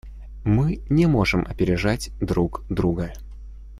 Мы не можем опережать друг друга.